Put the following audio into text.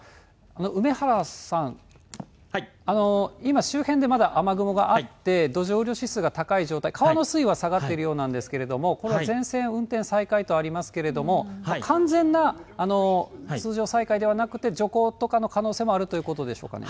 梅原さん、今、周辺でまだ、雨雲があって、土壌雨量指数が高い状態、川の水位は下がっているようなんですけれども、これは全線運転再開とありますけれども、完全な通常再開ではなくて、徐行とかの可能性もあるということでしょうかね。